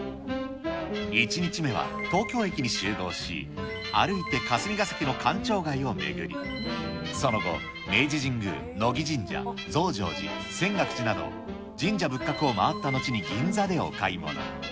１日目は東京駅に集合し、歩いて霞が関の官庁街を巡り、その後、明治神宮、乃木神社、増上寺、泉岳寺など、神社仏閣を回ったのちに銀座でお買い物。